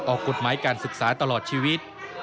ออกกฎหมายการศึกษาตลอดชีวิต